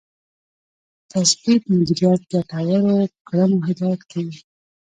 تثبیت مدیریت ګټورو کړنو هدایت کېږي.